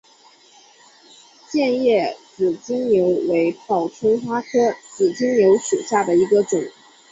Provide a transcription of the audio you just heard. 剑叶紫金牛为报春花科紫金牛属下的一个种。